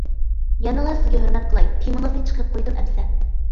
يەنىلا سىزگە ھۆرمەت قىلاي، تېمىڭىزنى چىقىرىپ قويدۇم ئەمسە.